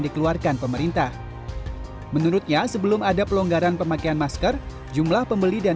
dikeluarkan pemerintah menurutnya sebelum ada pelonggaran pemakaian masker jumlah pembeli dan